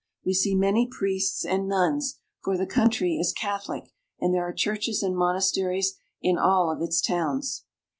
We see many priests and nuns, for the country is Catholic, and there are churches and monasteries in all of its towns.